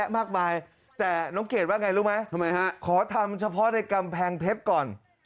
มากมายแต่น้องเกดว่าไงรู้ไหมทำไมฮะขอทำเฉพาะในกำแพงเพชรก่อน